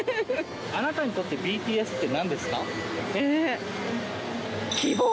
あなたにとってＢＴＳってなえー、希望。